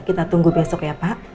kita tunggu besok ya pak